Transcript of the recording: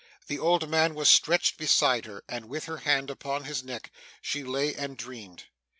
The old man was stretched beside her, and with her hand upon his neck she lay and dreamed.